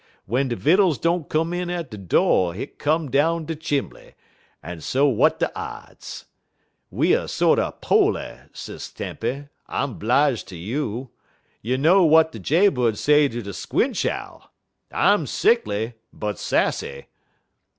W'en de vittles don't come in at de do' hit come down de chimbly, en so w'at de odds? We er sorter po'ly, Sis Tempy, I'm 'blige ter you. You know w'at de jay bird say ter der squinch owl! 'I'm sickly but sassy.'"